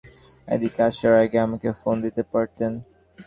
আমি শুধু তাঁকে বলেছি, আপনি এদিকে আসার আগে আমাকে ফোন দিতে পারতেন।